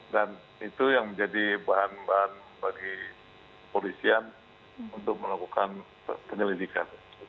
dan itu yang menjadi bahan bahan bagi polisian untuk melakukan penyelidikan